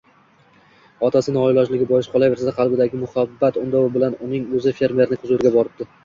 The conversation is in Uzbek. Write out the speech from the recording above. Otasi noilojligi bois, qolaversa, qalbidagi muhabbat undovi bilan uning o`zi fermerning huzuriga boribdi